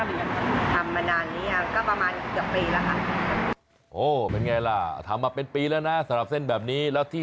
เป็นไงล่ะทำมาเป็นปีแล้วนะสำหรับเส้นแบบนี้